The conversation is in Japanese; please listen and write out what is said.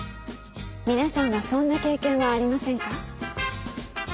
皆さんはそんな経験はありませんか？